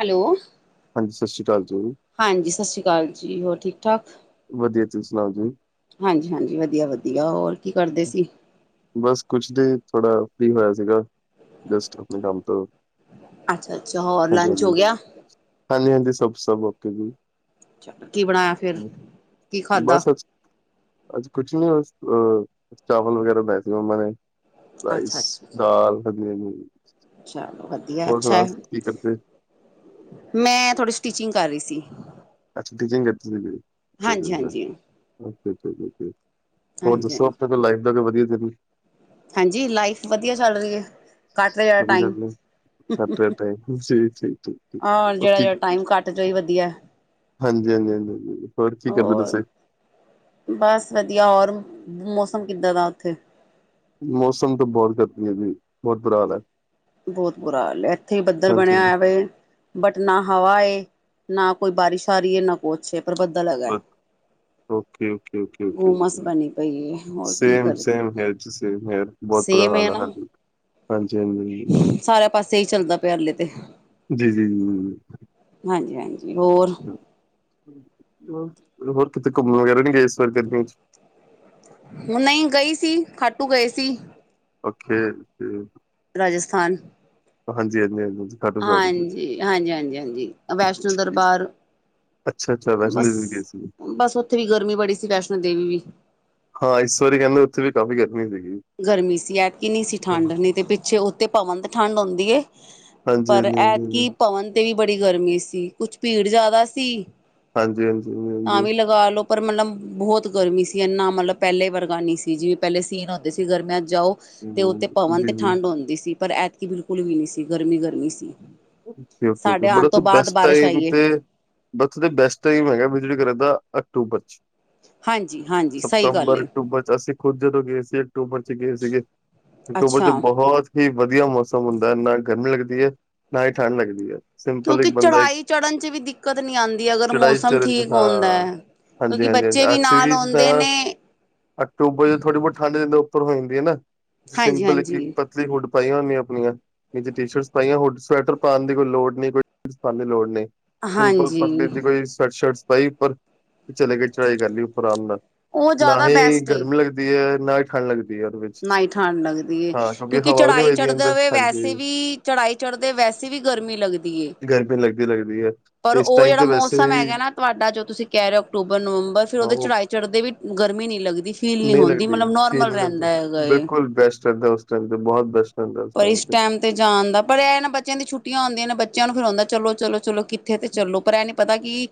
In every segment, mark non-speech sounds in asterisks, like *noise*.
Hello ਹਾਂਜੀ, ਸਸ਼੍ਰੀ ਕਾਲ ਜੀ। ਹਾਂਜੀ, ਸਸ਼੍ਰੀ ਕਾਲ ਜੀ, ਹੋਰ ਠੀਕ-ਠਾਕ। ਵਦੀਆ, ਤੁਸੀਂ ਸੁਣਾਓ ਜੀ? ਹਾਂਜੀ-ਹਾਂਜੀ, ਵਦੀਆ-ਵਦੀਆ ਹੋਰ ਕੀ ਕਰਦੇ ਸੀ? ਬਸ ਕੁਛ ਨੀ ਥੋੜਾ ਫ੍ਰੀ ਹੋਇਆ ਸੀਗਾ, ਜਸਟ ਅਪਣੇ ਕੰਮ ਤੋਂ। ਅੱਛਾ-ਅੱਛਾ, ਹੋਰ ਲੰਚ ਹੋ ਗਯਾ। ਹਾਂਜੀ-ਹਾਂਜੀ, ਸਬ ਸਬ ਓਕੇ ਜੀ, ਚਲੋ, ਕੀ ਬਣਾਇਆ ਫਿਰ, ਕੀ ਖਾਧਾ? ਬਸ ਅੱਜ ਅੱਜ ਕੁਛ ਨੀ ਬਸ ਅ ਚਾਵਲ ਵਗੈਰਾ ਬਨਾਏ ਸੀ ਮੰਮਾ ਨੇ। ਅੱਛਾ-ਅੱਛਾ, ਰਾਈਸ-ਦਾਲ, ਵਧੀਆ ਜੀ। ਚਲੋ ਵਦੀਆ ਅੱਛਾ ਐ, ਕਰਦੇ? ਮੈਂ ਥੋੜੀ ਸਟੀਿਚਿੰਗ ਕਰ ਰੀ ਸੀ। ਅੱਛਾ, ਸਟੀਚਿੰਗ ਕਰਦੇ ਤੁਸੀਂ ਵੀ। ਅੱਛਾ-ਅੱਛਾ, ਹਾਂਜੀ-ਹਾਂਜੀ, ਹਾਂਜੀ-ਹਾਂਜੀ, *unintelligible* ਹੋਰ ਹਾਂਜੀ ਦੱਸੋ ਹਾਂਜੀ ਅਪਣੀ ਲਾਈਫ ਦਾ ਕੋਈ ਵਧੀਆ ਜੇਆ ਦਿਨ ਹਾਂਜੀ, ਲਾਈਫ ਵਦੀਆ ਚੱਲ ਰਹੀ ਏ ਕੱਟ ਰੇਆ ਵਧੀਆ ਟਾਈਮ। ਗੱਲ ਏ ਸੈਟਰਡੇ ਜੀ, ਜੀ, ਜੀ, ਜੀ ਆਹ ਹੋਰ ਜੇੜਾ-ਜੇੜਾ ਟਾਈਮ ਕਟ ਜੇ ਓਈ ਵਧੀਐ। ਹਾਂਜੀ-ਹਾਂਜੀ-ਹਾਂਜੀ, ਹੋਰ ਕੀ ਕਰਦੇ ਤੁਸੀਂ? ਬਸ ਵਧੀਆ ਔਰ ਮੌਸਮ ਕਿੱਦਾਂ ਦਾ ਓਥੇ? ਮੌਸਮ ਤੇ ਬੋਤ ਗਰਮੀ ਏ ਜੀ। ਬਹੁਤ ਬੁਰਾ ਹਾਲ ਹੈ ਬੋਤ ਬੁਰਾ ਹਾਲ ਏ, ਐਥੇ ਵੀ ਬੱਦਲ ਹਾਂਜੀ ਬਣਿਆ ਹੋਯਾ ਵੇ। ਬਟ ਨਾ ਹਵਾ ਏ, ਨਾ ਕੋਈ ਬਾਰਿਸ਼ ਆ ਰੀ ਏ ਨਾ ਕੁਛ ਏ ਪਰ ਬੱਦਲ ਹੈਗਾ। ਗੁਮਸ ਓਕੇ-ਓਕੇ-ਓਕੇ-ਓਕੇ-ਓਕੇ, ਬਣੀ ਪਈ ਹੈ ਹੋਰ ਕੀ ਸੇਮ ਕਰ ਸੇਮ ਹੇਅਰ ਜੀ ਸੇਮ ਹੇਅਰ। ਬੋਤ ਬੁਰਾ ਸੇਮ ਹੈ ਹਾਲ ਐ ਨਾ ਹਾਂਜੀ, ਹਾਂਜੀ-ਹਾਂਜੀ। ਬਸ ਏਹੀ ਚੱਲਦਾ ਪੇਆ ਹਲੇ ਤੇ ਜੀ ਜੀ ਜੀ ਹਾਂਜੀ-ਹਾਂਜੀ ਹੋਰ? ਹੋਰ ਕਿਤੇ ਘੁੰਮਣ ਵਗੈਰਾ ਨੀ ਗਏ ਏਸ ਵਾਰ ਗਰਮੀ ਚ। ਨਈਂ ਗਈ ਸੀ, ਖਾਟੂ ਗਏ ਸੀ। ਓਕੇ ਫੇਰ ਰਾਜਸਥਾਨ ਹਾਂਜੀ-ਹਾਂਜੀ-ਹਾਂਜੀ-ਹਾਂਜੀ। ਹਾਂਜੀ, ਹਾਂਜੀ-ਹਾਂਜੀ-ਹਾਂਜੀ ਅ ਵੈਸ਼ਨੋ ਦਰਬਾਰ ਅੱਛਾ ਅੱਛਾ ਵੈਸ਼ਨੋ ਬਸ, ਦੇਵੀ ਗਏ ਸੀ ਬਸ ਓਥੇ ਵੀ ਗਰਮੀ ਬੜੀ ਸੀ ਵੈਸ਼ਨੋ ਦੇਵੀ ਵੀ। ਹਾਂ, ਇਸ ਵਾਰੀ ਕੈ ਲੋ ਓਂਥੇ ਵੀ ਕਾਫ਼ੀ ਗਰਮੀ ਹੈਗੀ ਸੀ। ਗਰਮੀ ਸੀ ਐਤਕੀ ਨਈਂ ਸੀ ਠੰਡ ਨਈਂ ਤੇ ਪਿੱਛੇ ਓਥੇ ਭਵਨ ਤੇ ਠੰਡ ਹੰਦੀ ਏ। ਹਾਂਜੀ ਹਾਂਜੀ ਪਰ ਹਾਂਜੀ ਹਾਂਜੀ ਐਤਕੀ ਭਵਨ ਤੇ ਵੀ ਬੜੀ ਗਰਮੀ ਸੀ ਕੁਛ ਪੀੜ ਜਾਦਾ ਸੀ ਹਾਂਜੀ ਹਾਂਜੀ ਹਾਂਜੀ ਤਾਂ ਹਾਂਜੀ ਵੀ ਲਗਾ ਲੋ ਪਰ ਮਤਲਬ ਬੋਹਤ ਗਰਮੀ ਸੀ ਇੰਨਾ ਮਤਲਬ ਪੈਲੇ ਵਰਗਾ ਨੀ ਸੀ ਜੀ ਪੈਲੇ ਸੀਨ ਹੁੰਦੇ ਸੀ ਗਰਮੀਆਂ ਚ ਜਾਓ ਤੇ ਉੇਤੇ ਭਵਨ ਹਾਂਜੀ, ਤੇ ਜੀ ਜੀ ਠੰਡ ਹੁੰਂਦੀ ਸੀ ਪਰ ਐਤਕੀ ਬਿਲਕੁਲ ਵੀ ਨੀ ਸੀ, ਗਰਮੀ-ਗਰਮੀ ਸੀ। ਓਕੇ-ਓਕੇ-ਓਕੇ, ਸਾਡੇ ਬਟ ਆਉਣ ਓਥੇ ਤੋਂ ਬਾਅਦ ਬੈਸਟ ਬਾਰਿਸ਼ ਟਾਈਮ ਆਈ ਏ ਤੇ ਓਥੇ ਤੇ ਬੈਸਟ ਟਾਈਮ ਹੈਗਾ ਵਿਜਟ ਕਰਨ ਦਾ ਅਕਤੂਬਰ ਚ। ਹਾਂਜੀ ਹਾਂਜੀ ਸਹੀ ਗੱਲ ਸਪਤੰਬਰ, ਏ ਅਕਟੂਬਰ ਚ ਅਸੀਂ ਖੁਦ ਜਦੋਂ ਗਏ ਸੀ, ਅਕਤੂਬਰ ਚ ਗਏ ਸੀਗੇ ਅਕਤੂਬਰ ਚ ਅੱਛਾ ਬੋਹਤ ਉਂ ਵਧੀਆ ਮੌਸਮ ਹੁੰਦਾ ਨਾ ਗਰਮੀ ਲੱਗਦੀ ਏ ਨਾ ਈ ਠੰਢ ਲੱਗਦੀ ਏ। ਕਿਉਂਕਿ ਚੜ੍ਹਾਈ ਚੜ੍ਹਨ ਚ ਵੀ ਦਿੱਕਤ ਨੀ ਆਂਦੀ ਅਗਰ ਚੜਾਈ ਮੌਸਮ ਚਰਨ 'ਚ ਠੀਕ ਹੁੰਦਾ। ਹਾਂ, ਹਾਂਜੀ, ਕਿਉਂਕਿ ਹਾਂਜੀ, ਬੱਚੇ ਹਾਂਜੀ ਵੀ ਅਸੀਂ ਨਾਲ ਹੁੰਦੇ ਜਿੱਦਾਂ ਨੇ ਅਕਤੂਬਰ ਚ ਥੋੜ੍ਹੀ-ਬੋਤ ਠੰਢ ਜਿਦਾ ਉੱਪਰ ਹੋ ਜਾਂਦੀ ਏ ਨਾ ਹਾਂਜੀ ਸਿੰਪਲ ਹਾਂਜੀ ਕਿਰਤਕ ਥ੍ਰੀ ਹੂਡ ਪਾਈਆ ਹੁੰਦੀਆਂ ਆਪੀਆਂ ਨੀਚੇ ਟੀ-ਸ਼ਰਟਸ ਪਾਈਆਂ ਹੁਡਸ ਸਵੈਟਰ ਪਾਣ ਦੀ ਕੋਈ ਲੋੜ ਨੀ ਕੋਈ ਚੀਜ਼ ਪਾਣ ਦੀ ਲੋੜ ਨੀ ਸਿੰਪਲ ਹਾਂਜੀ ਪਤਲੀ ਦੀ ਕੋਈ ਸੈਵਟ ਸ਼ਰਟ ਪਾਈ ਉੱਪਰ ਚਲੇ ਕੇ ਚੜਾਈ ਕਰ ਲੀ ਉੱਪਰ ਰਾਮ ਨਾਲ ਉਹ ਨਾ ਜ਼ਿਆਦਾ ਹੀ ਬੈਸਟ ਏ ਗਰਮੀ ਲੱਗਦੀ ਤੇ ਨਾ ਹੀ ਠੰਡ ਲਗਦੀ ਏ ਓਦੇ ਵੇਚ ਨਾ ਈ ਠੰਡ ਲੱਗਦੀ ਕਿਉਂਕਿ ਨੀ ਚੜਾਈ ਵੱਜਦੀ ਚੜ੍ਹਦੇ ਅੰਦਰ ਹੋਏ ਹਾਂਜੀ ਵੈਸੇ ਵੀ ਚੜ੍ਹਾਈ ਚੜ੍ਹਦੇ ਵੈਸੇ ਵੀ ਗਰਮੀ ਲਗਦੀ। ਗਰਮੀ ਲੱਗਦੀ ਲੱਗਦੀ ਹੈ। ਪਰ ਇਸ ਓਹ ਟਾਈਮ ਜੈੜਾ ਤੇ ਵੈਸੇ ਮੌਸਮ ਹੀ ਹੈਗਾ ਨਾ ਤੁਹਾਡਾ ਜੋ ਤੁਸੀਂ ਕਹਿ ਰਹੇ ਓ, ਅਕਤੂਬਰ- ਨਵੰਬਰ ਫਿਰ ਹਾਂ, ਉਹਦੇ ਉਹ ਚੜ੍ਹਾਈ ਚੜ੍ਹਦੇ ਵੀ ਗਰਮੀ ਨਹੀਂ ਲੱਗਦੀ ਫੀਲ ਨਹੀਂ ਹੁੰਦੀ ਲੱਗਦੀ ਮਤਲਬ ਫੀਲ ਨੋਰਮਲ ਨਹੀਂ ਰਹਿੰਦਾ ਹੁੰਦਾ। ਹੈਗਾ ਏ। ਬਿਲਕੁਲ ਬੈਸਟ ਰਹੰਦਾ ਉਸ ਟਾਈਮ ਤੇ ਬਹੁਤ ਬੈਸਟ। ਰਹਿੰਦਾ ਉਸ ਪਰ ਟਾਈਮ ਇਸ ਟੈਮ ਤੇ ਜਾਨਦਾ ਪਰ ਇਹ ਨਾ ਬੱਚਿਆਂ ਦੀ ਛੁੱਟੀਆਂ ਹੂੰਦੀਆਂ ਨੇ ਬੱਚਿਆਂ ਨੂੰ ਫਿਰ ਹੋਦਾ ਚਲੋ-ਚਲੋ-ਚਲੋ ਕਿੱਥੇ ਤੇ ਚੱਲੋ ਪਰ ਇਹ ਨ ਪਤਾ ਕੀ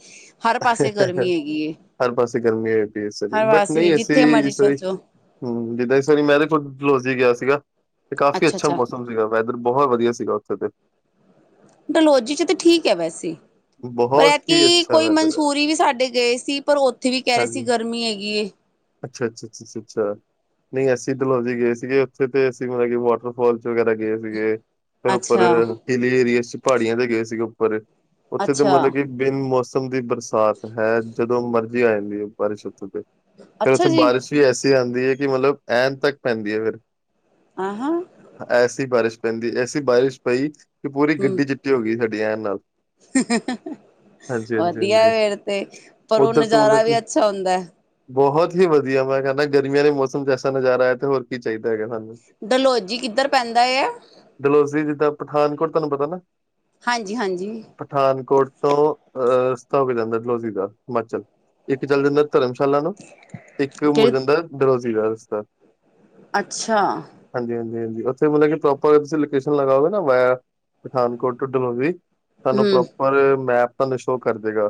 ਹਰ ਪਾਸੇ ਗਰਮੀ ਹੋਈ ਪਈ ਏ ਇਸ ਵਾਰੀ ਹਰ ਬਟ ਪਾਸੇ ਨਹੀਂ ਜਿੱਥੇ ਅਸੀੇ ਮਰਜ਼ੀ ਇਸ ਚੱਲ ਵਾਰੀ ਜਾਓ ਹਮ ਜਿੱਦਾਂ ਇਸ ਵਾਰੀ ਮੈ ਤੇ ਡਲਹੌਜੀ ਗਿਆ ਸੀਗਾ ਤੇ ਕਾਫ਼ੀ ਅੱਛਾ ਮੌਸਮ ਸੀਗਾ ਵੈਦਰ ਬਹੁਤ ਵਧੀਆ ਸੀਗਾ ਓਥੇ ਤੇ ਡਲੋਜੀ ਚ ਤੇ ਠੀਕ ਐ। ਵੈਸੇ ਇ ਪਰ ਬਹੁਤ ਹੀ ਐਤਕੀ ਅੱਛਾ ਕੋਈ ਵੈਦਰ ਹੈ। ਮਨਸੂਰੀ ਵੀ ਸਾਡੇ ਗਏ ਸੀ ਪਰ ਉੱਥੇ ਵੀ ਕਹਿ ਰਹੇ ਸੀ ਗਰਮੀ ਹੈਗੀ ਏ। ਅੱਛਾ-ਅੱਛਾ-ਅੱਛਾ ਅੱਛਾ ਨਹੀਂ ਅਸੀਂ ਡਲੋਜੀ ਗਏ ਸੀਗੇ ਉੱਥੇ ਤੇ ਅਸੀਂ ਮਤਲਬ ਕਿ ਵਾਟਰਫੋਾਲ ਚ ਵਗੈਰਾ ਗਏ ਸੀ ਸੀਗੇ, ਪਰ ਅੱਛਾ, ਉੱਪਰ ਹਿਲੀ ਏਰੀਏ ਚ ਪਹਾੜੀਆਂ ਤੇ ਗਏ ਸੀਗੇ ਉੱਪਰ ਉੱਥੇ ਤੇ ਅੱਛਾ, ਮਤਲਬ ਕਿ ਬਿਨ ਮੌਸਮ ਦੀ ਬਰਸਾਤ ਹੈ ਜਦੋਂ ਮਰਜ਼ੀ ਆ ਜਾਂਦੀ ਹੈ ਬਾਰਿਸ਼ ਉੱਥੋਂ ਤੇ। ਫਿਰ ਅੱਛਾ ਉੱਥੇ ਜੀ ਬਾਰਿਸ਼ ਵੀ ਐਸੀ। ਆਂਦੀ ਹੈ ਕਿ ਮਤਲਬ ਐਂਨ ਤੱਕ ਪੈਂਦੀ ਅ ਫਿਰ। ਆਹਾਂ ਐਸੀ ਬਾਰਿਸ਼ ਪੈਂਦੀ ਐਸੀ ਬਾਰਿਸ਼ ਪਈ ਕਿ ਪੂਰੀ ਹੂੰ ਗੱਡੀ ਚਿੱਟੀ ਹੋ ਗਈ ਸਾਡੀ ਐਹਿਣ ਨਾਲ ਹਾਂਜੀ, ਹਾਂਜੀ, ਵਧੀਆ ਹਾਂਜੀ ਫੇਰ ਤੇ ਪਰ ਉਹ ਨਜ਼ਾਰਾ ਵੀ ਅੱਛਾ ਹੁੰਦਾ। ਬੋਹਤ ਹੀ ਵਧੀਆ ਮੈਂ ਕਹਿੰਦਾ ਗਰਮੀਆਂ ਵਾਲੇ ਮੌਸਮ ਚ ਐਸਾ ਨਜ਼ਾਰਾ ਆਯੇ ਤੇ ਹੋਰ ਕੀ ਚਾਹੀਦਾ ਹੈਗਾ ਸਾਨੂੰ ਡਲਲੋਜੀ ਕਿੱਧਰ ਪੈਂਦਾ ਯਾ? ਡਲੋਜ਼ੀ ਜਿੱਦਾਂ ਪਠਾਨਕੋਟ ਤੁਹਾਨੂੰ ਪਤਾ ਨਾ। ਹਾਂਜੀ- ਹਾਂਜੀ ਪਠਾਨਕੋਟ ਤੋਂ ਅ ਰਸਤਾ ਹੋ ਕੇ ਜਾਂਦਾ ਡਲੋਜ਼ੀ ਦਾ। ਹਿਮਾਚਲ ਇੱਕ ਚਲ ਜਾਂਦਾ ਧਰਮਸ਼ਾਲਾ ਨੂੰ ਇੱਕ ਮੁੜ ਕਿਹੜੀ ਜਾਂਦਾ ਡਲੋਜੀ ਦਾ ਰਸ਼ਤਾ। ਅੱਛਾ ਹਾਂਜੀ ਹਾਂਜੀ ਹਾਂਜੀ ਉੱਥੇ ਮਤਲਬ ਕਿ ਪ੍ਰੋਪਰ ਤੁਸੀਂ ਲੋਕੇਸ਼ਨ ਲਗਾਓਗੇ ਨਾ ਵਾਯਾਂ ਪਠਾਨਕੋਟ ਟੂ ਡਲੋਰੀ ਤੁਹਾਨੂੰ ਹੂੰ ਪ੍ਰੋਪਰ ਮੈਪ ਤੁਹਾਨੂੰ ਸ਼ੋਅ ਕਰ ਦੇਗਾ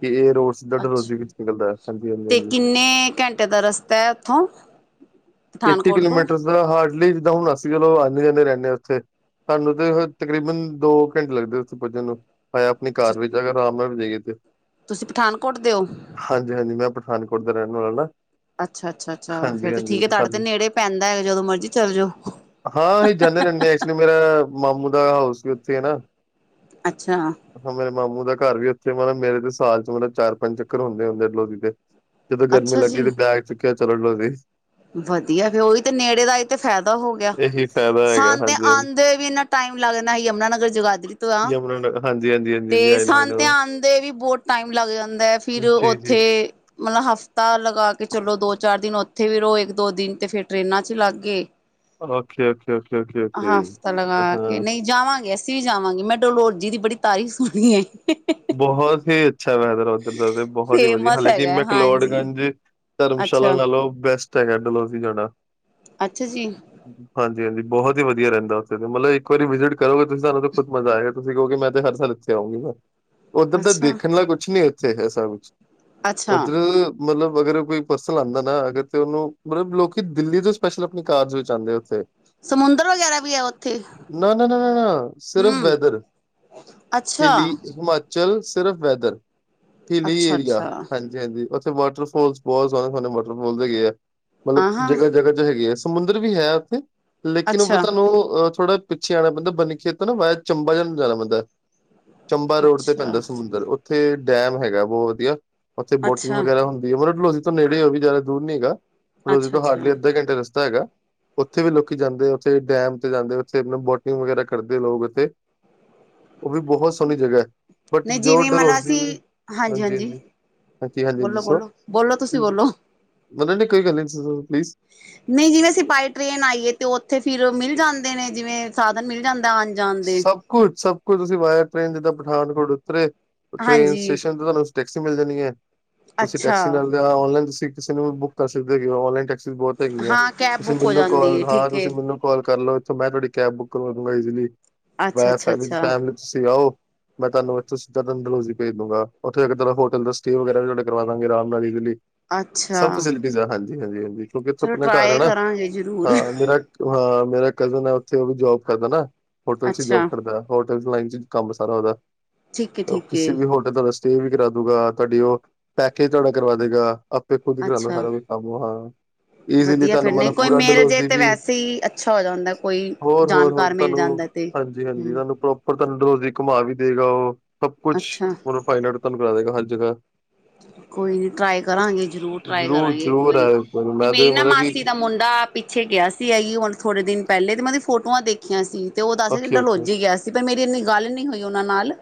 ਕਿ ਇਹ ਰੋਡ ਸਿੱਧਾ ਡਲਹੌਜ਼ੀ ਅਛਾ ਵਿੱਚ ਨਿਕਲਦਾ ਹੈ। ਹਾਂਜੀ, ਹਾਂਜੀ, ਤੇ ਹਾਂਜੀ। ਕਿੰਨੇ ਘੰਟੇ ਦਾ ਰਸਤਾ ਐ ਉੱਥੋਂ ਏਟੀ ਪਠਾਨਕੋਟ ਤੋਂ? ਕਿਲੋਮੀਟਰ ਦਾ ਹਾਰਡਲੀ ਜਿੱਦਾਂ ਹੁਨ ਅਸੀਂ ਚਲੋ ਆਂਦੇ ਜਾਂਦੇ ਰਹਿੰਦੇ ਆ ਉੱਥੇ। ਤੁਹਾਨੂੰ ਤੇ ਫੇਰ ਤਕਰੀਬਨ ਦੋ ਘੰਟੇ ਲੱਗਦੇ ਉੱਥੇ ਪੁੱਜਣ ਨੂੰ। ਆ ਆਪਣੀ ਕਾਰ ਵਿੱਚ ਅਗਰ ਆਰਾਮ ਨਾਲ ਵੀ ਜਾਈਏ ਤੇ। ਤੁਸੀਂ ਪਠਾਨਕੋਟ ਦੇ ਓ? ਹਾਂਜੀ ਹਾਂਜੀ ਮੈਂ ਪਠਾਨਕੋਟ ਦਾ ਰਹਿਨ ਵਾਲਾ ਨਾ। ਅੱਛਾ-ਅੱਛਾ- ਅੱਛਾ ਫੇਿਰ ਹਾਂਜੀ, ਤੇ ਠੀਕ ਹਾਂਜੀ ਏ ਤੁਹਾਡੇ ਤੇ ਸਾਨੂੰ ਨੇੜੇ ਪੈਂਦਾ ਹੈਗਾ ਜਦੋਂ ਮਰਜੀੀ ਚੱਲ ਜਓ। ਕਹਿੰਦੇ ਨਦੇ ਐਕਚੁਲੀ ਮੇਰਾ ਮਾਮੂ ਦਾ ਹਾਊਸ ਵੀ ਉੱਥੇ ਹੈ ਨਾ ਅੱਛਾ ਉਪਰੋ ਮੇਰੇ ਮਾਮੂ ਦਾ ਘਰ ਵੀ ਉੱਥੇ ਮਤਲਬ ਮੇਰੇ ਤੇ ਸਾਲ ਚ ਮਤਲਬ ਚਾਰ ਪੰਜ ਚੱਕਰ ਹੁੰਦੇ ਹੁੰਦੇ ਡਲੋਜੀ ਦੇ ਜਦੋਂ ਗਰਮੀ ਅੱਛਾ ਲੱਗੀ ਜੀ ਤੇ ਬੈਗ ਚੁੱਕਿਆ ਚਲੋ ਡਲੋਜੀ। ਵਧੀਆ ਫੇ ਉਹੀ ਤੇ ਨੇੜੇ ਦਾ ਤੇ ਫਾਇਦਾ ਹੋ ਗਿਆ ਇਹੀ ਫਾਇਦਾ ਹੈਗਾ ਸਾਂਨ ਤੇ ਹਾਂਜੀ, ਹਾਂਜੀ। ਆਉਂਦੇ ਹੋਏ ਵੀ ਇੰਨਾ ਟਾਈਮ ਲੱਗਨਾ ਯਮੁਨਾ ਨਗਰ ਜਗਾਦਰੀ ਤੇ ਆ। ਯਮੁਨਾ ਨਗਰ ਹਾਂਜੀ, ਹਾਂਜੀ, ਹਾਂਜੀ, ਤੇ ਹਾਂਜੀ ਆਈ ਨੋ, ਆਈ ਸਾਨ ਤੇ ਨੋ। ਆਂਦੇ ਹੋਏ ਵੀ ਬਹੁਤ ਟਾਈਮ ਲੱਗ ਜਾਂਦਾ ਐ। ਫਿਰ ਓਥੇ ਮਤਲਬ ਹਫ਼ਤਾ ਲਗਾ ਕੇ ਚਲੋ ਦੋ- ਚਾਰ ਦਿਨ ਉੱਥੇ ਵੀ ਰੋ ਏਕ - ਦੋ ਦਿਨ ਤੇ ਫੇਰ ਟਰੇਨਾਂ ਚ ਲੱਗ ਗਏ ਹਫ਼ਤਾ ਲਗਾ ਕੇ ਨਈ ਜਾਵਾਂਗੇ ਅਸੀ ਅਸੀਂ ਵੀ ਜਾਵਾਂਗੇ ਮੈਂ ਡੋਲੋਜੀ ਦੀ ਬੜੀ ਤਾਰੀਫ਼ ਸੁਣੀ ਏ। ਬਹੁਤ ਹੀ ਅੱਛਾ ਵੈਦਰ ਉੱਧਰ ਦਾ ਤੇ ਬਹੁਤ ਹੀ ਵਧੀਆ ਫੇਮਸ ਹਾਲਾਂਕਿ ਹੈਗਾ ਹਾਂਜੀ ਮੈਂਕਲੋਡਗੰਜ ਧਰਮਸ਼ਾਲਾ ਅੱਛਾ ਨਾਲੋਂ ਬੈਸਟ ਹੈਗਾ ਡੋਲੋਜੀ ਜਾਣਾ ਅੱਛਾ ਜੀ ਹਾਂਜੀ ਹਾਂਜੀ ਬਹੁਤ ਹੀ ਵਧੀਆ ਰਹਿੰਦਾ ਉੱਥੇ ਦੇ ਮਤਲਬ ਇੱਕ ਵਾਰੀ ਵਿਜਿਟ ਕਰੋਗੇ ਤੁਸੀਂ ਸਾਨੂੰ ਤਾਂ ਖੁਦ ਮਜ਼ਾ ਆ ਤੁਸੀਂ ਕਹੋਗੇ ਮੈਂ ਤੇ ਹਰ ਸਾਲ ਇੱਥੇ ਆਉਂਗੀ ਨਾ ਉੱਧਰ ਤਾਂ ਅੱਛਾ ਦੇਖਣ ਵਾਲ ਕੁਛ ਨੀ ਇੱਥੇ ਹੈ ਸਾ ਕੁਛ ਅੱਛਾ ਉਧਰ ਮਤਲਬ ਅਗਰ ਕੋਈ ਪਰਸਨ ਆਉਂਦਾ ਨਾ ਅਗਰ ਉਹਨੂੰ ਮਤਲਬ ਲੋਕ ਦਿੱਲੀ ਦੇ ਸਪੈਸ਼ਲ ਆਪਣੀ ਕਾਰਜ ਰਚਿਦੇ ਉੱਥੇ ਸਮੁੰਦਰ ਵਗੈਰਾ ਵੀ ਹੈ ਉੱਥੇ ਨਾ ਨਾ ਨਾ ਨਾ ਨਾ ਸਿਰਫ ਹਮ ਵੈਦਰ ਅੱਛਾ ਹਿਲੀ ਹਿਮਾਚਲ ਸਿਰਫ ਵੈਦਰ ਹਿਲੀ ਅੱਛਾ ਏਰੀਆ ਅੱਛਾ ਹਾਂਜੀ ਹਾਂਜੀ ਉੱਥੇ ਵਾਟਰਫੋਲ ਬਹੁਤ ਸੋਹਣੇ ਸੋਹਣੇ ਵਾਟਰ ਫੋਲ ਦੇ ਗਏ ਆ ਮਤਲਬ ਆਹਾਂ ਜਗ੍ਹਾ ਜਗਾ ਹੈਗੇ ਹੈ ਸਮੁੰਦਰ ਵੀ ਹੈ ਉੱਥੇ ਲੇਕਿਨ ਉਹ ਅੱਛਾ ਤੁਹਾਨੂੰ ਅ ਥੋੜਾ ਪਿੱਛੇ ਆਉਣਾ ਪੈਂਦਾ ਬਨੀ ਖੇਤ ਨਾ ਵਾਇਆ ਚੰਬਾ ਜਾਣ ਜਾਣਾ ਪੈਂਦਾ ਚੰਬਾ ਰੋਡ ਤੇ ਅੱਛਾ ਪੈਂਦਾ ਸਮੁੰਦਰ ਉੱਥੇ ਡੈਮ ਹੈਗਾ ਬਹੁਤ ਵਧੀਆ ਉੱਥੇ ਬੋਟਿੰਗ ਅੱਛਾ ਵਗੈਰਾ ਹੁੰਦੀ ਹੈ ਓ ਨਾ ਡਲਹੌਜੀ ਤੋਂ ਨੇੜੇ ਓ ਵੀ ਜ਼ਿਆਦਾ ਦੂਰ ਨੀ ਹੈਗਾ ਡਲਹੌਜੀ ਅੱਛਾ ਤੋਂ ਹਾਰਡਲੀ ਅੱਛਾ ਅੱਧਾ ਘੰਟੇ ਦਾ ਰਸਤਾ ਹੈਗਾ ਉੱਥੇ ਵੀ ਲੋਕੀ ਜਾਂਦੇ ਉਥੇ ਡੈਮ ਤੇ ਜਾਂਦੇ ਉਥੇ ਬੋਟਿੰਗ ਵਗੈਰਾ ਕਰਦੇ ਲੋਕ ਉਥੇ। ਉਹ ਵੀ ਬਹੁਤ ਸੋਹਣੀ ਜਗ੍ਹਾ ਹੈ ਬਟ ਨਹੀਂ ਜੋ ਜਿਵੇਂ ਮਤਲਬ ਡਲਹੋਜੀ ਅਸੀਂ ਹਾਂਜੀ- ਹਾਂਜੀ। ਹਾਂਜੀ- ਹਾਂਜੀ- ਹਾਂਜੀ ਬੋਲੋ ਦੱਸੋ ਬੋਲੋ ਬੋਲੋ ਕੋਈ ਤੁਸੀਂ ਬੋਲੋ ਗੱਲ ਨੀ ਦੱਸੋ ਪਲੀਜ਼ ਨਹੀਂ, ਜਿਵੇਂ ਅਸੀਂ ਬਾਏ ਟ੍ਰੇਨ ਆਈਏ ਤੇ ਉਥੇ ਫਿਰ ਮਿਲ ਜਾਂਦੇ ਨੇ ਜਿਵੇਂ ਸਾਧਨ ਮਿਲ ਜਾਂਦਾ ਹਾਂਜੀ। ਜਾਂਦੇ। ਸਭ ਕੁਛ ਸਭ ਕੁੱਛ ਤੁਸੀਂ ਬਾਏ ਟ੍ਰੇਨ ਜਿੱਦਾਂ ਪਠਾਨਕੋਟ ਉਤਰੇ ਟ੍ਰੇਨ ਹਾਂਜੀ ਸਟੇਸ਼ਨ ਤੇ ਤੁਹਾਨੂੰ ਟੈਕਸੀ ਮਿਲ ਜਾਣੀ ਹੈ ਤੁਸੀਂ ਅੱਛਾ ਟੈਕਸੀ ਨਾਲ ਆਨਲਾਈਨ ਤੁਸੀਂ ਕਿਸੇ ਨੂੰ ਵੀ ਬੁੱਕ ਕਰ ਸਕਦੇ ਹੋ ਹੋ ਆਨਲਾਈਨ ਟੈਕ ਬਹੁਤ ਹੈਗੀਆਂ ਹਾਂ ਕੈਬ ਤੁਸੀਂ ਬੁੱਕ ਹੋ ਮੈਨੂੰ ਜਾਂਦੀ ਕਾਲ ਹੈ ਹਾਂ ਠੀਕ ਹੈ ਤੁਸੀਂ ਮੈਨੂੰ ਕਾਲ ਕਰਲਓ ਇੱਥੋਂ ਮੈਂ ਤੁਹਾਡੀ ਕੈਬ ਬੁੱਕ ਕਰਵਾਦੁਗਾ ਈਸੀਲੀ ਅੱਛਾ ਮੈ ਅੱਛਾ ਅੱਛਾ ਫੈਮਲਈ ਤੁਸੀਂ ਆਓ। ਮੈਂ ਤੁਹਾਨੂੰ ਇੱਥ ਸਿੱਧਾ ਡਲਹੌਜੀ ਭੇਜ ਦੂੰਗਾ ਉਥੇ ਇੱਕ ਤਰ੍ਹਾਂ ਹੋਟਲ ਦਾ ਸਟੇ ਵਗੈਰਾ ਵੀ ਤੁਹਾਡੇ ਕਰਵਾ ਦਾਂਗੇ ਆਰਾਮ ਨਾਲ ਈਸਲੀ। ਅੱਛਾ ਸਭ ਫੈਸਿਲਿਟੀਜ਼ ਆ ਹਾਂਜੀ- ਹਾਂਜੀ- ਹਾਂਜੀ ਕਿਉਂਕਿ ਇੱਥੇ ਚਲੋ ਆਪਣਾ ਘਰ ਹੈ ਟਰਾਈ ਨਾ ਕਰਾਂਗੇ ਜ਼ਰੂਰ ਹਾਂ ਮੇਰਾ ਹਾਂ, ਮੇਰਾ ਕਜ਼ਨ ਹੈ ਉੱਥੇ ਉਹ ਵੀ ਜੋਬ ਕਰਦਾ ਨਾ ਹੋਟਲ ਚ ਜੋਬ ਅੱਛਾ ਕਰਦਾ। ਹੋਟਲ ਲਾਈਨ ਚ ਕੰਮ ਸਾਰਾ ਉਹਦਾ ਠੀਕ ਹੈ ਤੇ ਉਹ ਠੀਕ ਹੈ ਕਿਸੇ ਵੀ ਹੋਟ ਤੁਹਾਡਾ ਸਟੇ ਵੀ ਕਰਾ ਦੂਗਾ ਤੁਹਾਡੀ ਉਹ ਪੈਕੇਜ ਤੁਹਾਡਾ ਕਰਵਾ ਦੇਗਾ ਆਪੇ ਖੁਦ ਹੀ ਕਰਾਉਂਦੇ ਅੱਛਾ ਸਾਰਾ ਕੁਛ ਆਜੋ ਹਾ ਇਜ਼ੀਲੀ ਵਧੀਆ ਤੁਹਾਨੂੰ ਫਿਰ ਨਹੀਂ ਮਤਲਬ ਕੋਈ ਪੂਰਾ ਮਿਲ ਜੇ ਡਲਹੋਜੀ ਤੇ ਵੀ ਵੈਸੇ ਹੀ ਅੱਛਾ ਹੋ ਜਾਂਦਾ ਕੋਈ ਹੋਰ- ਹੋਰ- ਜਾਣਕਾਰ ਹੋਰ ਮਿਲ ਤੁਹਾਨੂੰ ਜਾਂਦਾ ਤੇ ਹਾਂਜੀ- ਹਾਂਜੀ ਹਮ ਤੁਹਾਨੂੰ ਪ੍ਰੋਪਰ ਤੁਹਾਨੂੰ ਡਲਹੌਜੀ ਘੁੰਮਾ ਵੀ ਦੇਗਾ ਉਹ ਸਭ ਕੁਛ ਅੱਛਾ ਮਤਲਬ ਫਾਈਨ ਆਰਟ ਤੁਹਾਨੂੰ ਕਰ ਦੇਵੇਗਾ ਹਰ ਜ੍ਹਾ ਕੋਈ ਨੀ ਟਰਾਈ ਕਰਾਂਗੇ ਜਰੂਰ ਟਰਾਈ ਜ਼ਰੂਰ ਕਰਾਂਗੇ ਇੱਕ ਜ਼ਰੂਰ ਵਾਰੀ ਆਇਓ ਇੱਕ ਮੈਂ ਮੇਰੀ ਤੇ ਨਾ ਮਤਲਬ ਕਿ ਮਾਸੀ ਦਾ ਮੁੰਡਾ ਪਿੱਛੇ ਗਿਆ ਸੀ ਇਹੀਓ ਹੁਣ ਥੋੜੇ ਦਿਨ ਪਹਿਲੇ ਮੈਂ ਓਦੇ ਫੋਟੋਆਂ ਦੇਖ ਖਿਆ ਸੀ ਤੇ ਉਹ ਦੱਸ ਓਕੇ ਓਕੇ ਡਲੋਜੀ ਗਿਆ ਸੀ ਪਰ ਮੇਰੀ ਇੰਨੀ ਗੱਲ ਨ ਨਹੀਂ ਹੋਈ ਉਹਨਾਂ ਨਾਲ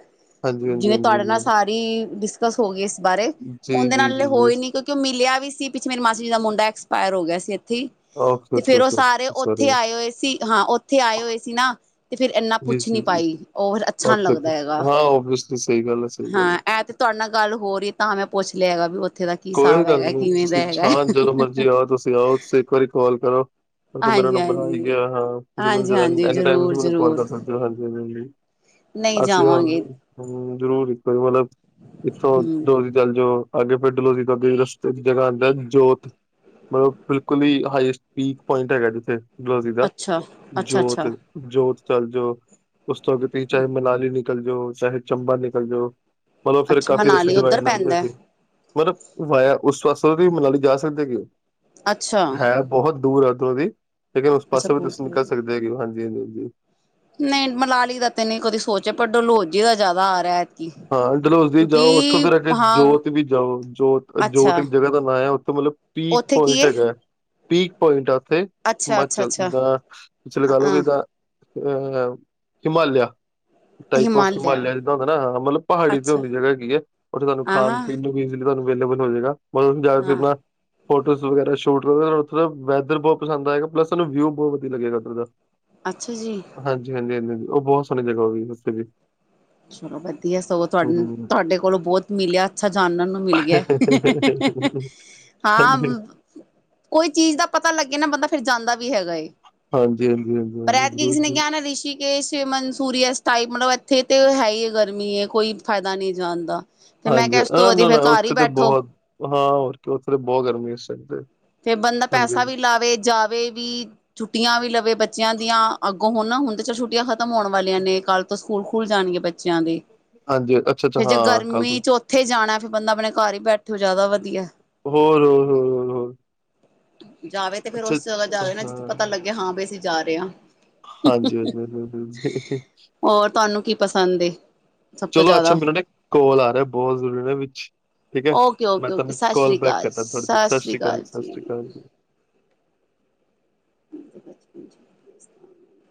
ਹਾਂਜੀ- ਹਾਂਜੀ, ਹਾਂਜੀ -। ਬਿ ਡਿਸਕਸ ਹੋ ਗਈ ਇਸ ਬਾਰੇ ਜੀ ਉਹਦੇ ਜੀ ਨਾਲ ਜੀ ਜੀ ਹੋਈ ਨੀ ਕੁ ਕਿਉਂ ਮਿਲਿਆ ਵੀ ਸੀ ਪਿੱਛੇ ਮੇਰੇ ਮਾਸੀ ਜੀ ਦਾ ਮੁੰਡਾ ਐਕਸਪਾਇਰ ਹੋ ਗਿਆ ਸੀ ਇੱਥੇ ਓਕੇ ਤੇ ਓਕੇ ਫੇਰ ਉਹ ਓਕੇ ਸਾਰੇ ਸੋਰੀ ਉੱਥੇ ਆਏ ਹੋਏ ਸੀ ਹਾਂ ਉੱਥੇ ਆਏ ਹੋਏ ਸੀ ਨਾ ਤੇ ਫੇਰ ਇਨਾ ਜੀ, ਪੁਛ ਨੀ ਜੀ, ਜੀ। ਪਾਈ ਉਹ ਫਿਰ ਅੱਛਾ ਨੀ ਓਕੇ ਲੱਗਦਾ ਜੀ, ਹੈਗਾ ਹਾਂ ਓਬਵੀਅਸਲੀ ਸਹੀ ਗੱਲ ਹੈ, ਸਹੀ ਗੱਲ ਹਾਂ ਹੈ। ਐ ਤੇ ਤੁਹਾਡੇ ਨਾਲ ਗੱਲ ਹੋ ਰਹੀ ਤਾਂ ਮੈਂ ਪੁੱਛ ਲਿਆ ਹੈਗਾ ਵੀ ਉੱਥੇ ਤ ਕੋਈ ਗੱਲ ਨਹੀਂ ਤੁਸੀਂ ਸ਼ ਜਦੋਂ ਮਰਜੀ ਆਓ ਤੁਸੀਂ ਆਓ ਤੁਸੀ ਇੱਕ ਵਾਰੀ ਕਾਲ ਕਰੋ। ਤੇਰੇ ਕੋਲ ਮੇਰਾ ਹਾਂਜੀ ਨੰਬਰ ਆ ਈ ਹਾਂਜੀ ਗਿਆ ਹਾਂ ਤੁਸੀਂ ਹਾਂਜੀ ਮੈਨੂੰ ਹਾਂਜੀ ਇੱਕ ਜ਼ਰੂਰ ਟਾਈਮ ਕਾਲ ਜ਼ਰੂਰ ਕਰ ਸਕਦੇ। ਹਾਂਜੀ-ਹਾਂਜੀ, ਨਹੀਂ ਅਸੀਂ ਹ ਜਾਵਾਂਗੇ ਜਰੂਰ, ਇੱਕੋ ਮਤ *unintelligible* ਇੱਥੋਂ ਹਮ ਡਲਹੋਜੀ ਚੱਲ ਜਾਓ, ਅੱਗੇ ਫਿਰ ਡਲਹੋਜੀ ਤੋਂ ਅੱਗੇ ਰਸਤੇ ਚ' ਜਗ੍ਹਾ ਆਉਂਦਾ ਜੋਤ ਓਹ ਬਿਲਕੁਲ ਹੀ, ਹਾਈਐਸਟ ਪੀਕ ਪੁਆਇੰਟ ਹੈਗਾ ਜਿੱਥੇ, ਡਲਹੌਜੀ ਦਾ, ਅੱਛਾ ਅੱਛਾ ਜੋਤ। ਅੱਛਾ ਜੋਤ ਚੱਲ ਜੋਓ, ਉਸ ਤੋਂ ਅੱਗੇ ਤੁਸੀਂ ਚਾਹੇ ਮਨਾਲੀ ਨਿਕਲ ਜਾਓ, ਚਾਹੇ ਚੰਬਾ ਨਿਕਲ ਜਾਓ। ਮਲਬ ਫੇਰ ਅੱਛਾ ਕਾਫੀ ਰਸਤੇ ਮਨਾਲੀ ਉੱਧਰ *unintelligible* ਪੈਂਦਾ ਹੈਗੇ। ਮਲਬ, ਵਾਯਾ ਉਸ ਪਾਸੋਂ ਵੀ ਓਹ ਮਨਾਲੀ ਜਾ ਸਕਦੇ ਕਿ ਓਹ ਅੱਛਾ। ਬਹੋਤ ਦੂਰ ਆ ਓਧਰੋਂ ਦੀ। ਲੇਕਿਨ ਉਸ ਅੱਛਾ ਪਾਸੇ ਵੀ ਬਹੁਤ ਤੁਸੀਂ ਨਿਕਲ ਸਕਦੇ ਹੈਗੇ ਹੋ ਹਾਂਜੀ-ਹਾਂਜੀ-ਹਾਂਜੀ। ਨਈ ਮਨਾਲੀ ਦਾ ਤੇ ਨਈ ਕਦੀ ਸੋਚਿਆ, ਪਰ ਡਲੋਜੀ ਦਾ ਜਿਆਦਾ ਆ ਰਿਆ। ਹਾਂ, ਡਲੋਜੀ ਜਾਓ ਓਥੋਂ ਫਿਰ ਅਗੇ ਹਾਂ ਜੋਤ ਵੀ ਜਾਓ ਜੋਤ-ਜੋਤ ਅੱਛਾ ਇੱਕ ਜਗ੍ਹਾ ਦਾ ਨਾਂ ਹੈ ਓਥੇ ਮਲਬ ਪੀਕ ਉੱਥੇ ਕੀ ਪੁਆਇੰਟ ਏ? ਹੈਗੈ ਪੀਕ ਪੁਆਇੰਟ ਐ ਓਥੇ, ਅੱਛਾ, ਅੱਛਾ, ਹਿਮਾਚਲ ਅੱਛਾ ਦਾ ਤੁਸੀ ਲਗਾ ਲਓ ਅ ਜਿਦਾਂ ਅ ਹਿਮਾਲਿਯਾ ਟਾਈਪ ਆਫ ਹਿਮਾਲਿਆ, ਜਿੱਦਾਂ ਹੁੰਦਾ ਨਾ ਮਲਬ ਪਹਾੜੀ ਤੇ ਅੱਛਾ। ਓਂਦੀ ਜਗ੍ਹਾ ਹੈਗੀ ਜੇ ਓਥੇ ਤੁਹਾਨੂੰ ਆ ਖਾਣ- ਹਾਂ, ਪੀਣ ਨੂੰ ਵੀ ਈਜ਼ੀਲੀ ਤੁੂੰਹਾਨੂੰ ਅਵੇਲੇਬਲ ਹੋ ਜਾਏਗਾ। ਮਤਲ ਜਾ ਕੇ ਹਾਂ ਆਪਨਾ ਫੋਟੋਜ਼ ਵਗੈਰਾ ਸ਼ੂਟ ਕਰੋਗੇ ਓੱਥੇ ਦਾ ਵੈਦਰ ਬੋ ਪਸੰਦ ਆਏਗਾ ਪਲੱਸ ਤੁਹਾਨੂੰ ਵਿਊ ਬੋ ਵਦੀਆ ਲਗੇਗਾ ਓਦਰ ਦਾ। ਅੱਛਾ ਜੀ। ਹਾਂਜੀ-ਹਾਂਜੀ-ਹਾਂਜੀ-ਹਾਂਜੀ, ਓਹ ਬੋਤ ਸੋਹਣੀ ਜਗ੍ਹਾ ਹੋ ਵੀ। ਚਲੋ ਵਦੀਐ ਸਗੋਂ ਤੁਹਾਡ ਹੂੰ। ਤੁਹਾਡੇ ਕੋਲੋਂ ਬਹੁਤ ਮਿਲਿਆ ਅੱਛਾ ਜਾਨਣ ਨੂੰ ਮਿਲ ਗਿਐ ਹਾਂਜੀ, ਹਾਂਜੀ, ਹਾਂ, ਹਾਂਜੀ, ਕੋਈ ਚੀਜ਼ ਦਾ ਪਤਾ ਲੱਗੇ ਨਾ ਬੰਦਾ ਫਿਰ ਜਾਂਦਾ ਵੀ ਹੈਗਾ ਏ। ਹਾਂਜੀ, ਪਰ ਹਾਂਜੀ ਐਤਕੀ ਜ਼ਰੂਰ, ਕਿਸੀ ਨੇ ਜ਼ਰੂਰ ਕਹਨੈ ਰਿਸ਼ੀ ਏਹ ਸ਼ਿਮ ਮਨਸੂਰੀਸ ਟਾਈਪ ਮਤਲਬ ਇੱਥੇ ਤੇ ਹੈਈ ਗਰਮੀ ਏ, ਕੋਈ ਫਾਇਦਾ ਨਹੀਂ ਜਾਣ ਦਾ ਤੇ ਮੈਂ ਹਾਂਜੀ, ਕਿਹਾ ਇਸ ਤੋਂ ਅੰ ਵਧੀਆ ਨਾ-ਨਾ ਫੇਰ ਘਰ ਹੀ ਓਥੇ ਤੇ ਬੈਠੋ। ਬੋਤ, ਹਾਂ ਹੋਰ ਕੀ ਓਥੇ ਤੇ ਬੋਹ ਗਰਮੀ ਇਸ ਟੈਮ ਤੇ ਤੇ ਬੰਦਾ ਪੈਸਾ ਹਾਂਜੀ, ਵੀ ਲਾਵੇ, ਜਾਵੇ ਵੀ ਛੁੱਟੀਆਂ ਵੀ ਲਵੇ ਬੱਚਿਆਂ ਦੀਆਂ, ਅੱਗੋਂ ਹੁਨ ਨਾ ਹੁਨ ਤਾਂ ਚਲ ਛੁੱਟੀਆਂ ਖਤਮ ਹੋਨ ਵਾਲੀਆਂ ਨੇ ਕੱਲ ਤੋਂ ਸਕੂਲ ਖੁੱਲ ਜਾਨਗੇ ਬੱਚਿਆਂ ਦੇ। ਹਾਂਜੀ ਅੱਛਾ, ਅੱਛਾ ਫੇਰ ਜੇ ਹਾਂ ਕੱਲ ਤੋਂ ਗਰਮੀ ਚੌਂ ਓਥੇ ਜਾਣਾ ਫੇਰ ਬੰਦਾ ਆਪਣੇ ਘਰ ਹੀ ਬੈਠੋ ਜਿਆਦਾ ਵਦੀਆ ਐ। ਹੋਰ-ਹੋਰ ਜਾਵੇ ਤੇ ਫੇਰ ਅੱਛਾ ਓਸ ਜਗ੍ਹਾ ਜਾਵੇ ਨਾ ਜਿੱਥੇ ਹਾਂ। ਪਤਾ ਲੱਗੇ ਹਾਂ ਬਈ ਅਸੀਂ ਜਾ ਰਏ ਆਂ ਹਾਂਜੀ ਹਾਂਜੀ ਹਾਂਜੀ। ਹੋਰ ਤੁਹਾਨੂੰ ਕੀ ਪਸੰਦ ਏ? ਸਭ ਤੋਂ ਚਲੋ ਅੱਛਾ ਜ਼ਿਆਦਾ ਮੇਰਾ ਨਾ ਇਕ ਕੋਲ ਆ ਰਿਆ ਬਹੋਤ ਜ਼ਰੂਰੀ ਨਾ ਵਿੱਚ ਠੀਕ ਏ, ਓਕੇ ਮੈਂ ਓਕੇ ਓਕੇ ਤੁਹਾਨੂੰ ਸਤਿ ਕੋਲ ਸ਼੍ਰੀ ਬੈਕ ਅਕਾਲ ਕਰਦਾ ਥੋੜੀ ਦੇਰ ਸਤਿ ਸ਼੍ਰੀ ਸ੍ਰੀ ਅਕਾਲ, ਸਤਿ ਜੀ ਸ਼੍ਰੀ ਅਕਾਲ। ਹ ਤੇ ਬਚਪਨ ਚ